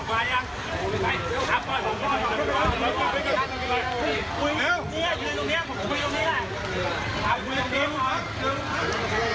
คุยตรงนี้หรอ